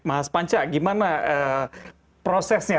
mas panca gimana prosesnya